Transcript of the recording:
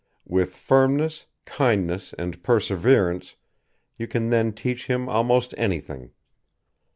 With firmness, kindness, and perseverance, you can then teach him almost anything.